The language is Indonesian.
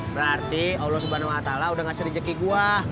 berarti allah swt udah ngasih rezeki gue